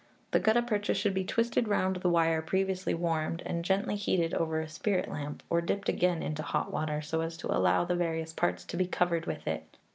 The gutta percha should be twisted round the wire previously warmed, and gently heated over a spirit lamp, or dipped again into hot water, so as to allow the various parts to be covered with it.